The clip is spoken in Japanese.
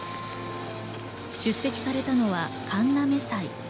出席されたのは神嘗祭。